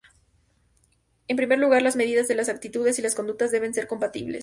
En primer lugar, las medidas de las actitudes y las conductas deben ser compatibles.